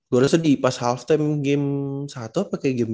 gue rasa di pas halftime game satu apa kayak game dua